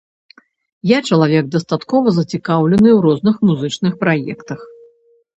Я чалавек дастаткова зацікаўлены ў розных музычных праектах.